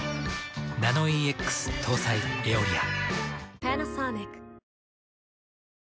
ナノイーＸ搭載「エオリア」。